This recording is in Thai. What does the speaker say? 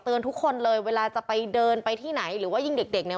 ทุกคนเลยเวลาจะไปเดินไปที่ไหนหรือว่ายิ่งเด็กเนี่ย